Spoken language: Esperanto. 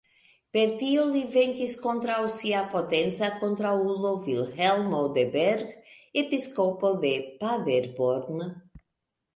Per tio li venkis kontraŭ sia potenca kontraŭulo Vilhelmo de Berg, episkopo de Paderborn.